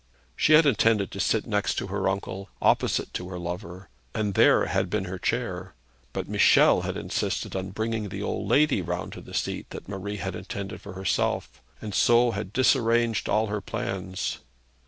She had intended to sit next to her uncle, opposite to her lover, and there had been her chair. But Michel had insisted on bringing the old lady round to the seat that Marie had intended for herself, and so had disarranged all her plans.